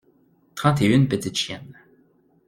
Trente et une petites chiennes.